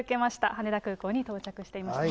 羽田空港に到着していましたね。